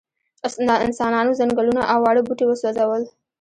انسانانو ځنګلونه او واړه بوټي وسوځول.